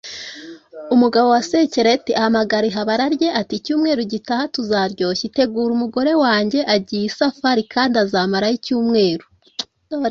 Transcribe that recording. umugabo wa sekereteri ahamagara ihabara rye ati icyumweru gitaha tuzaryoshya itegure umugore wanjye agiye isafari kandi azamarayo icyumweru